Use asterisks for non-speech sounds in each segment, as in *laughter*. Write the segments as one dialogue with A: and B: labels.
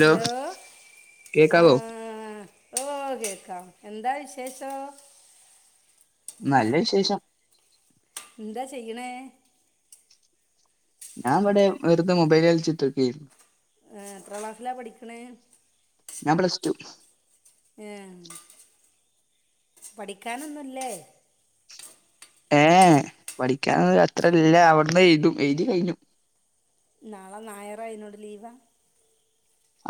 A: Hello ആ
B: കേക്കാവോ
A: ഓ കേക്കാം എന്താ വിശേഷം?
B: നല്ല വിശേഷം.
A: എന്താ ചെയ്യണേ?
B: ഞാൻ ഇവിടെ വെറുതെ മൊബൈല് കളിച്ചിട്ടി‌ക്കേരുന്നു.
A: ഏഹ് എത്രാം ക്ലാസിലാ പഠിക്കണേ?
B: ഞാൻ പ്ലസ് ടു.
A: ഉം പഠിക്കാനൊന്നും ഇല്ലേ
B: ഏഹ് പഠിക്കാനൊന്നും അത്ര‌ക്കില്ല അവിടന്ന് എഴുതും എഴുതി കഴിഞ്ഞു.
A: നാളെ ഞായറാ അതിനോട് ലീവാ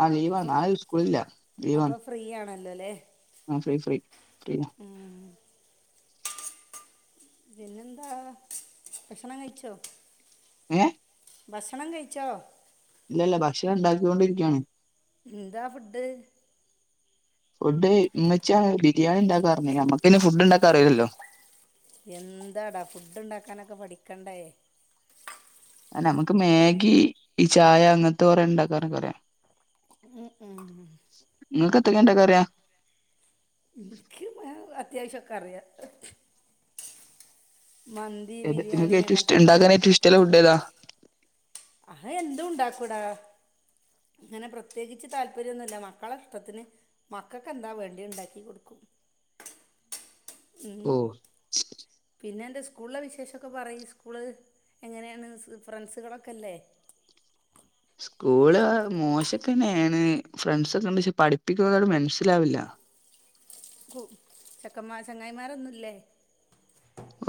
B: ആ
A: അപ്പോൾ
B: ലീവാ
A: ഫ്ര
B: നാളെ സ്കൂളില്ല ലീവാണ്-
A: ലല്ലേ-
B: മ് ഫ്രീ ഫ്രീ ഫ്രീ-
A: പിന്നെന്താ ഭക്ഷണം കഴിച്ചോ?
B: ഏ-
A: ഭസണം കഴിച്ചോ?
B: ഇല്ല ഇല്ല ഭക്ഷണം ഇണ്ടാക്കിക്കൊണ്ടിരിക്കാണ്-
A: എന്താ ഫുഡ്-
B: ഫുഡ് ഇമ്മിച്ചാ ബിരിയാണി ഇണ്ടാക്കാറണ്ട് നമ്മക്കിന്നെ ഫുഡ് ഉണ്ടാക്കാനറില്ലല്ലോ?
A: എന്താടാ ഫുഡ് ഉണ്ടാക്കാനൊക്കെ പഠിക്കണ്ടേ?
B: ആ നമുക്ക് മാഗി ഈ ചായ അങ്ങനത്തെ കൊറെ ഉണ്ടാക്കാനൊക്കെ അറാം-
A: ഉം ഉം-
B: നിങ്ങക്ക് എത്തൊക്കെണ്ടക്കറിയാ-
A: അത്യാവശ്യംക്കെ അറിയാ-
B: ഏ നിങ്ങക്ക് ഏറ്റവും
A: അങ്ങനത്തെ
B: ഇഷ്ടം
A: ഒക്കെ
B: ഉണ്ടാക്കാൻ ഏറ്റവും ഇഷ്ടമുള്ള ഫുഡ്ഏതാ-
A: അ എന്തും ഉണ്ടാക്കൂടാ അങ്ങനെ പ്രത്യേകിച്ച് താല്പര്യംന്നുല്ല മക്കളെ ഇഷ്ടത്തിന് മക്കൾക്ക്ന്താ വേണ്ടി ഉണ്ടാക്കി കൊടുക്കും- ഉം
B: ഓ
A: പിന്നെ എന്താ- സ്കൂളിലെ വിശേഷൊക്കെ പറയ് സ്കൂള് എങ്ങനെയാണ് ഫ്രണ്ട്സുകളൊക്കെല്ലേ?
B: സ്കൂള് മോശക്കെ തന്നെയാണ് ഫ്രണ്ട്സൊക്കെണ്ട് പക്ഷെ പഠിപ്പിക്കുന്നോട് മനസ്സിലാവില്ല-
A: കു ചക്കന്മാ ചങ്ങായിമാരൊന്നുല്ലേ?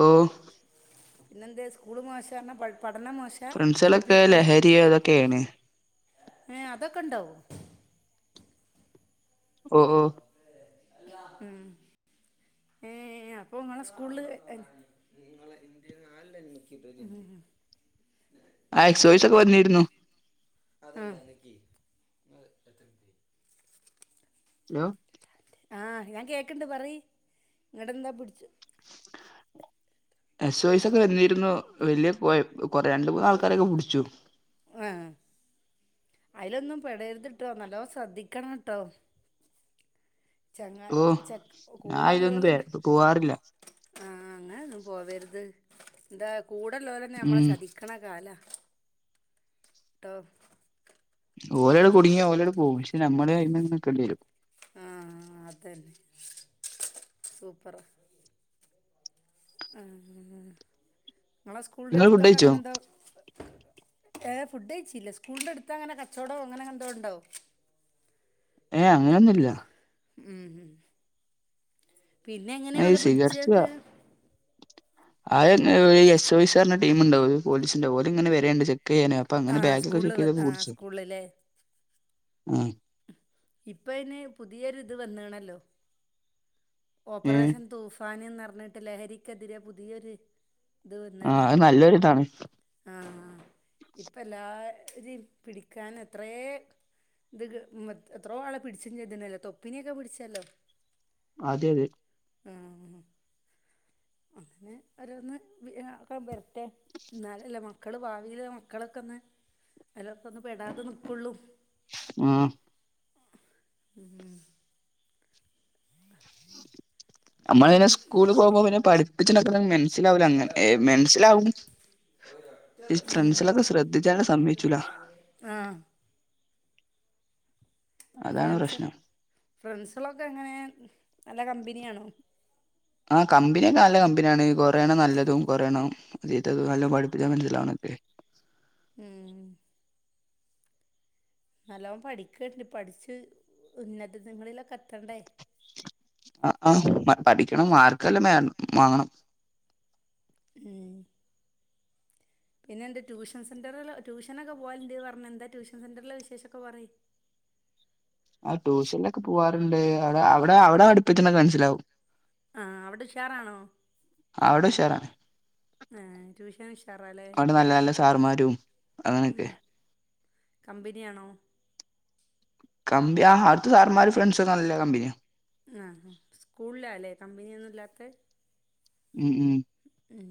B: ഓഹ്
A: ഇന്ന്ന്തേ സ്കൂള് മാഷാണോ പഠിപ്പി-
B: ഫ്രണ്ട്‌സുകളൊക്ക ലഹരിയോ ഇതൊക്കയാണ്
A: ഏ അതൊക്കെ ഇണ്ടാവോ
B: ഓ ഓ
A: ഉ ഏ അപ്പൊ നിങ്ങളെ സ്കൂളില്-
B: ആ എക്സോയിസ് ഓക്കേ വന്നിരുന്നു
A: അത്ര *unintelligible*
B: ഹലോ
A: ആ ഞാൻ കേൾക്കണ്ട് പറയ് ഇങ്ങടെ എന്താ പിടിച്ചു
B: *unintelligible* എസ് വയസ
A: ഇത്
B: ഒക്കെ വന്നിരുന്നു വല്യ പോയപ് കൊറേ രണ്ട് മൂന്ന് ആൾക്കാരൊക്കെ പിടിച്ചു
A: അതിലൊന്നും പെടരുത്ട്ടോ നല്ലോ ശ്രദ്ധിക്കണ്ട്ടോ ചങ്ങ
B: ഓ
A: ചക്
B: ഞാൻ
A: കൂടള്ള പോലെന്ന
B: ഇതൊന്നും പോവാറില്ല
A: ആഹ അങ്ങനെ പോവരുത് ഇന്താ കൂടൊള്ളോർ തന്നെ നമ്മളെ
B: ഉം
A: ചതിക്കണ കാല ട്ടോ
B: ഓലോട് കുടുങ്ങിയ ഓലോട് പോം പക്ഷെ നമ്മള് അയിന് നിൽക്കണ്ടി വരും
A: ആ അതന്നെ സൂപ്പറാ ഉം ങ്ങളെ സ്കൂളിന്റെ
B: നിങ്ങള് ഫുഡ്
A: അടുത്തൊക്കെ
B: കഴിച്ചോ
A: അങ്ങനെ ന്തോ ഏ ഫുഡ് കയിച്ചില്ല സ്കൂളിന്റെ അടുത്ത് അങ്ങനെ കച്ചോടോ അങ്ങനെ എന്തോ ഒണ്ടോ
B: ഏ അങ്ങനെന്നും ഇല്ല
A: ഉം പിന്നെ എങ്ങനെ ഒലെ പിടിച്ചേക്കെ
B: ആ എസ് ഒ സാറിന്റെ ടീമുണ്ടാവും ഒരു പോലീസിന്റെ ഓല് ഇങ്ങനെ വരലുണ്ട് ചെൽ ക്കെയേനി അപ്പൊ
A: ആ
B: അങ്ങനെ ബാഗൊക്കെ ചെക്ക്
A: സ്കൂളിൽ
B: ചെയ്തപ്പം
A: ആ
B: പുടിച്ച്
A: സ്കൂളിലല്ലേ
B: ഉം
A: ഇപ്പ അയിന് പുതിയൊരിത് വന്ന്ണല്ലോ
B: ഏഹ്
A: ഓപ്പറേഷൻ തൂഫാനെന്ന് പറഞ്ഞിട്ട് ലഹരിക്കെതിരെ പുതിയൊരു ഇത്
B: ആ
A: വന്നാണ്
B: അത് നല്ലൊരിതാണ്
A: ഇപ്പ എല്ലാരിം പിടിക്കാൻ എത്രേ ഇത് മ എത്രോ ആളെ പിടിച്ച ചെയ്തിണ്ടല്ലോ തൊപ്പിനിയൊക്കെ പിടിച്ചല്ലോ
B: അതെയതെ
A: ഹമ് അങ്ങനെ ഓരോന്ന് *unintelligible* ട്ടെ ഇന്നാലല്ലേ മ മക്കള് ഭാവിൽ മക്കളൊക്കെ ഒന്ന് അയിലക്കൊന്നും പെടാതെ നിക്കുള്ളു
B: ആ
A: ഉം
B: *inaudible* നമ്മൾ ന്നെ
A: ഉം.
B: സ്കൂള് പോകുമ്പോ പിന്നെ പഠി *unintelligible* മനസ്സിലാവൂല അങ്ങ മൻസ്സിലാവും ഈ ഫ്രണ്ട്സിലൊക്കെ ശ്രദ്ധിച്ചാ സമ്മയ്ച്ചൂല
A: ആ ഫ്രണ്ട്സ്
B: പ്രശ്നം
A: ഫ്രണ്ട്സുളൊക്കെ എങ്ങനെയാ നല്ല കമ്പനിയാണോ
B: ആ കമ്പനിയൊക്കെ നല്ല കമ്പനിയാണ് കൊറേണ്ണം നല്ലതും കൊറേണ്ണം ചീത്തതും നല്ലോം പഠിപ്പിച്ചാ മനസ്സിലാവണൊക്കെ
A: ഉം നല്ലോണം പഠിക്ക് പഠിച്ച് ഉന്നതങ്ങളിലൊക്കെ എത്തണ്ടേ
B: അ ആ പഠിക്കണം മാർക്ക്‌ എല്ലാംമേ വാങ്ങണം
A: ഉമ് പിന്നെ എന്ത് ട്യൂഷൻ സെന്ററ ട്യൂഷനൊക്കെ പോവല്ണ്ട് പറഞ്ഞ് എന്താ ട്യൂഷൻ സെന്ററിലെ വിശേഷയൊക്കെ പറയ്
B: ആ ട്യൂഷൻലൊക്കെ പോവാറുണ്ട് അവിടെ അവിടെ അവിടെ പഠിപ്പിക്കണതൊക്കെ മനസ്സിലാവും
A: ആ അവിടെ ഉഷാറാണോ
B: അവിടെ ഉഷാറാണ്
A: ആ ട്യൂഷൻ ഉഷാറാല്ലേ
B: അവിടെ നല്ല നല്ല സാറമാരും അങ്ങനെയൊക്കെ
A: ഉം കമ്പനിയാണോ
B: കമ്പി ആ അവ്ടുത്തെ സാറന്മാര് ഫ്രണ്ട്സും നല്ല കമ്പനിയാ.
A: ആ സ്കൂളിലാല്ലേ കമ്പനിയൊന്നുംല്ലാത്തത്.
B: ഉം ഉം
A: ഉം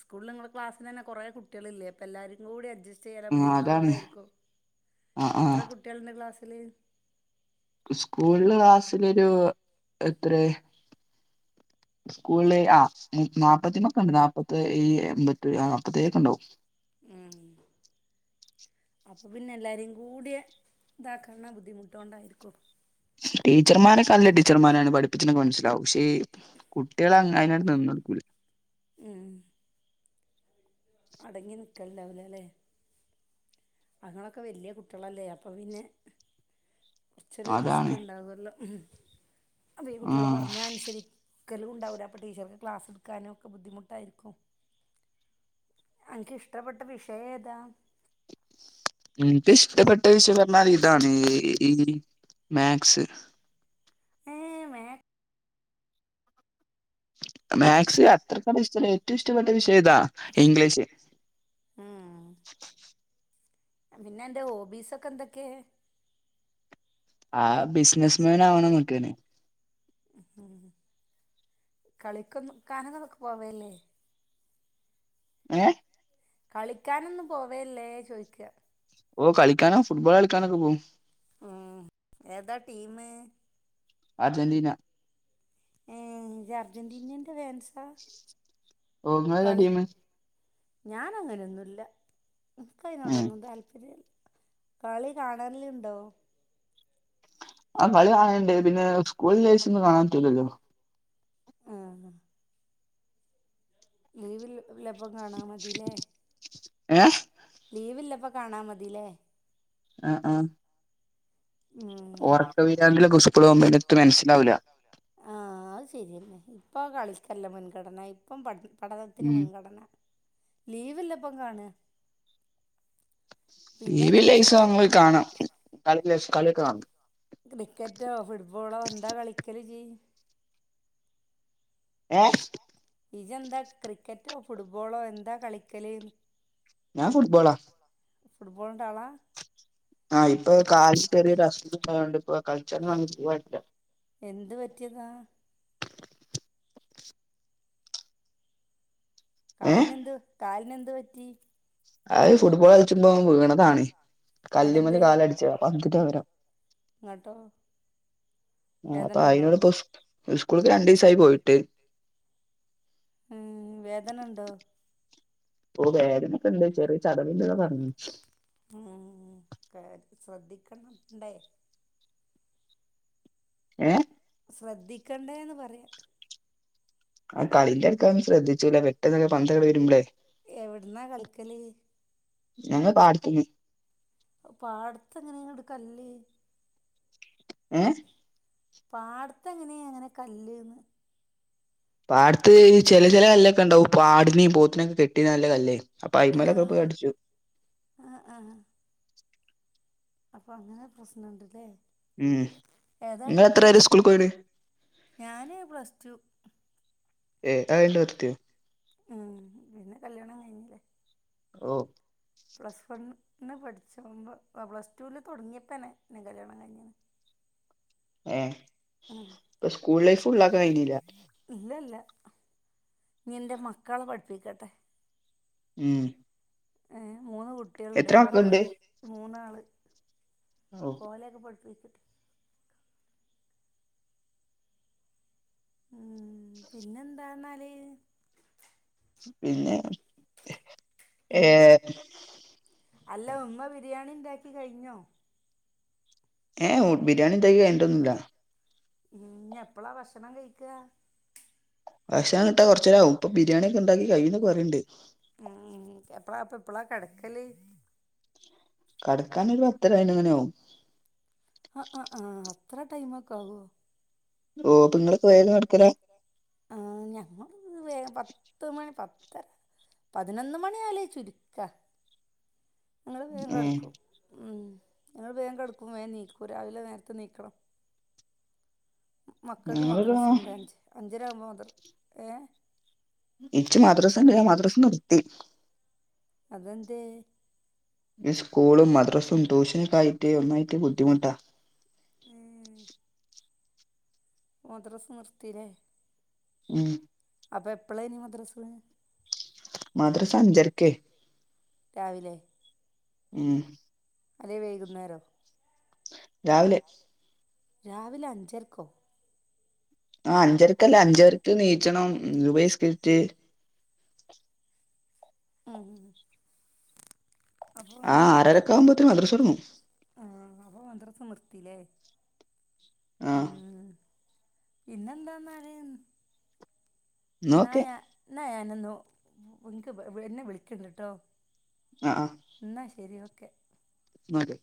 A: സ്കൂളിൽ ഇങ്ങളെ ക്ലാസ്സിലെന്നെ കൊറേ കുട്ടിയേളില്ലേ അപ്പ എല്ലാരും കൂടി അഡ്ജസ് ചെയ്യാല
B: ഉം ആഹ് അതാണ്
A: ബുദ്ധിമുട്ടൊണ്ടായിരിക്കും.
B: ആ ആ
A: എത്ര കുട്ട്യാള്ണ്ട് ക്ലാസ്സി ല്
B: ഉസ്കൂളില് ക്ലാസ്സിലൊരു എത്രേ. സ്കൂള്ല് ആ മു നാപ്പത്തിമക്കണ്ട്. നാപത്തി എമ്പത്തി നാപ്പത്തേയക്കെണ്ടാവും.
A: അപ്പൊ പിന്നെ എല്ലാരിം കൂടിയെ ഇതാക്കാല്ല ബുദ്ധിമുട്ടോണ്ടായിരിക്കും.
B: ടീച്ചർമാരൊക്കെല്ല ടീച്ചർമാരാണ് പഠിപ്പിച്ച്ണൊക്കെ മൻസ്സി ലാവും ക്ഷേ കുട്ടിയെള അയ്നാട് നിന്നൊടുക്കൂലാ.
A: ഉം അടങ്ങി നിക്കലണ്ടാവൂല ലേ. അഇങ്ങളൊക്കെ വല്യ കുട്ടിയേളല്ലേ. അപ്പ പിന്നെ കുറച്ചൊരു റിസ്ക്
B: അതാണ്
A: ഇണ്ടാവല്ലോ. അപ്പ ഈ
B: ആ
A: കുട്ടികള് പറഞ്ഞാ അനുസരി ക്കലും ഉണ്ടാവൂല്ല. അപ്പം ടീച്ചർക്ക് ക്ലാസ് ഇട്ക്കാനും ഒക്കെ ബുദ്ധിമുട്ടായിരിക്കും. അനക്കിഷ്ടപ്പെട്ട വിഷയേതാ?
B: ഇൻക്ക് ഇഷ്ടപ്പെട്ട വിഷയം പർഞ്ഞാൽ ഇതാണ്, ഈ മാക്സ്
A: ഏ മേ
B: മാക്സ് അത്രക്കത് ഇഷ്ടല്ല ഏറ്റവും ഇഷ്ടപ്പെട്ട വിഷ ചെയ്താ ഇംഗ്ലീഷ്
A: ഉം പിന്നെ അന്റ ഓബീസക്കെ എന്തൊക്കെ
B: ആഹ് ബിസിനസ്മാൻ ആവണന്നോക്കെ
A: ഉം കളിക്കൊന്നു കാനളൊക്കെ പോവല്ലേ
B: ഏ
A: കളിക്കാനൊന്നും പോവേല്ലേ ചോയ്ക്കുക
B: ഓ കളിക്കാനോ ഫുട്ബോൾ കളിക്കാനൊക്കെ പോവും
A: ഉം ഏതാ ടീം
B: അർജന്റീന
A: ഏ അർജന്റീനേന്റ ഫേൻസ
B: ഓ ഇങ്ങളേതാ
A: കളി
B: ടീമ്
A: ഞാനങ്ങനൊന്നുല്ല ക്ക്
B: ഏ
A: അയ്നോടൊന്നും താല്പര്യമ കളി കാണല്ലുണ്ടോ
B: ആ കളി കാണല്ണ്ട് പിന്നെ സ്കൂള്ല്ലേസം ഒന്നും കാണാൻ പറ്റൂലല്ലോ
A: ആ ലീവില് ല്ലപ്പം കാണാ മതില്ലേ
B: ഏഹ
A: ലീവില്ലപ്പകാണാ മതില്ലേ
B: ആ ആ
A: ഉം.
B: ഒർക്കപിരാന്ത്ലൊക്കെസ്ക്കൂള്പോകുമ്പ എത്തുമന്സ്സിലാവുല്ല
A: ഇപ്പൊ കളിക്കല്ലാമുൻഗണന ഇപ്പം പഠിപ്പാ
B: ഉം
A: പഠനത്തിന്മുൻഗണന ലീവില്ലപ്പകാണും
B: ലീവിലെസാകുമ്പ കാണാം കളിയൊക്കെ കാണാം
A: ക്രിക്കറ്റോഫുട്ബോളോ എന്താകളിക്കരല്ജ്
B: ഏ
A: ഇജെന്ത ക്രിക്കറ്റോഫുട്ബോളോ എന്താകളിക്കല്
B: ഞാൻഫുട്ബോളാ
A: ഫുട്ബോള്ന്റെആളാ
B: ആ ഇപ്പം കാണ്ച്ചിട്ട്ഒരു റസ്റ്റ്ഇട്ക്കായോണ്ട് ഇപ്പോ *unintelligible*
A: എന്ത്പറ്റെതാ
B: ഏഹ്
A: കാല്നെന്ത് കാൽനെന്ത് ന്ത്പറ്റി
B: ആഅ് ഫുട്ബോള്കള്ച്ചുമ്പോ വീണതാണ് കല്ല്മ്മല്കാലട്ച്ചതാ പന്തിൻ്റെ പകരം
A: ന്നട്ടോ
B: ആ പ്പംഅയ്നോട്പ്പം സ്ക്കൂൾ സ്കൂൾക്ക് രണ്ടീസായി പോയിട്ട്
A: ഉം വേദന ഉണ്ടോ
B: പോ വേദനെക്കണ്ട് ചെറിയെചതവ് ണ്ട്ന്നാ പറഞ്ഞെ
A: മം ശ്രദ്ധിക്കണം ണ്ടെ
B: ഏ
A: ശ്രദ്ധിക്കണ്ടേന്ന്പറയാ
B: ആകളിൻ്റെട്ക്കഅ്ന്നും ശ്രദ്ധിച്ചൂല പെട്ടെന്ന് പന്ത്ങ്ങട്ട് വരുമ്പളെ
A: എവ്ട്ന്നാകളിക്കല്
B: ഞങ്ങൾ പാട്ത്ത്ന്ന്
A: അ പാട്ത്തെങ്ങനെണ്ത് കല്ല്
B: ഏ
A: പാട്ത്തെങ്ങനെ അങ്ങനെയാ കല്ല്ന്ന്
B: പാട്ത് ത്ത് ചെല ചെല കല്ലൊക്കെണ്ടാകും ആടിനിം പോത്തിനീം കെട്ടിടാല്ലെകല്ലെ അപ്പം
A: ആ
B: അയ്മേലൊക്കെ പോയി അടിച്ചു
A: അപ്പം അങ്ങനെ പ്രശ്നംണ്ട്ല്ലേ
B: ഉം
A: ഏതായാലും
B: നിങ്ങൾ
A: ഒക്കെ
B: എത്ര വരെ സ്കൂൾക്ക് പോയിണ്
A: *unintelligible* ഞാന് പ്ലസ്ടു
B: *unintelligible*
A: ഉം പിന്നെ കല്യാണം കഴിഞ്ഞില്ലേ?
B: ഓ
A: പ്ലസ് വൺ. ഇന്ന് പഠിച്ചുമ്പോ പ്ലസ് റ്റുവിൽ തുടങ്ങിയപ്പനെ എന്ന കല്യാണം കഴഞ്ഞണ്.
B: ഏഹ് ഇപ്പ സ്കൂൾ ലൈഫ് ഫുൾ ആക്കാൻ കഴിഞ്ഞില്ല.
A: ഇല്ല ഇല്ല ഇനി ഇൻന്റെ മക്കളെ പഠിപ്പിക്കട്ടെ.
B: ഉം.
A: ഏഹ്. മൂന്ന് കുട്ടിളുണ്ട്
B: എത്ര
A: ഓലെ
B: മക്കളുണ്ട്
A: മൂന്നാള്
B: ഓ
A: പോലെയൊക്കെ പഠിപ്പി ഉം പിന്നെ ന്താന്നാല്?
B: പിന്നെ.
A: ഉം.
B: ഏഹ്
A: അല്ല ഉമ്മ ബിരിയാണി ഉണ്ടാക്കി കഴിഞ്ഞോ?
B: ഏഹ് ബിരിയാണി ഉണ്ടാക്കി കഴിഞ്ഞിട്ട് ഒന്നുല്ല.
A: ഞ് എപ്പോള ഭക്ഷണം കഴിക്കുക?
B: ഭക്ഷണം കിട്ടാൻ കുറച്ചരാവും ഇപ്പോ ബിരിയാണി ഉണ്ടാക്കി കഴിയുന്ന് പറയണ്ട്.
A: പ്ലാ അപ്പ എപ്പോളാ കെടക്കല്
B: കടക്കാൻ ഒരു പത്തര പതിനൊന്ന് മണിയാവും
A: അ ആ അത്ര ടൈമൊക്കെ ആവോ
B: ഓ അപ്പൊങ്ങൾക്കെ വേഗം കെടക്കല
A: ആ ഞങ്ങള് വേ പത്ത്‌മണി പത്ത് ത്തര പതിന്നൊന്ന് മണി ആകല് ചുരുക്കാ ഞങ്ങള് വേഗം
B: ഏഹ്
A: കെടക്കു മ്മ് ഞങ്ങള് വേഗം കെടക്കും വേഗനീക്കും രാവിലെ നേരത്തെ ണിക്കണം മക്കക്ക്
B: ഞങ്ങളൊരു
A: മദ്രസണ്ടേ അഞ്ച് അ ഞ്ചരാമ്പോ മ ഏഹ്
B: എച്ച് മദ്രസണ്ട് മദ്രസ നി ത്തി
A: അതെന്തേ
B: ഈ സ്കൂളും മദ്രസും ട്യൂഷനും ക്കായിട്ട് ഒന്നായിട്ട് ബുദ്ധിമുട്ടാ
A: ഏ, മദ്രസ നിർത്തിലെ
B: മ്മ്
A: അപ്പാ എപ്പോഴെന്ന് മദ്രസ
B: മദ്രസ അഞ്ചരക്കെ
A: രാവിലെ
B: മ്മ്
A: അല്ലെ വൈകുന്നേരോ
B: രാവിലെ
A: രാവിലെ അഞ്ചരക്കോ
B: ആ അഞ്ചര ക്കെ അഞ്ചരയ്ക്ക് നീച്ചണം ഉം സുബ്ഹി നിസ്കാരീട്ട്
A: ഉം
B: ആ ആറരക്കാവുമ്പത്തിന് മദ്രസ തുടങ്ങും
A: ആ അപ്പൊ മദ്രസ നിർത്തില്ലേ
B: ആ
A: പിന്നെന്താ ന്നാല്
B: ന്നാ ഒക്കെ
A: എന്നാ ഞാനൊക്ക് ഒൻക് എന്നെ വിളിക്കണ്ടട്ടോ
B: ആ
A: എന്നാ ശരി ഒ ക്കെ
B: മാതി